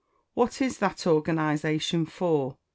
What is that organisation for?